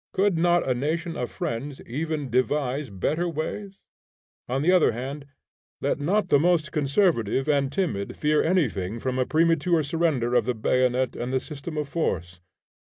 could not a nation of friends even devise better ways? On the other hand, let not the most conservative and timid fear anything from a premature surrender of the bayonet and the system of force.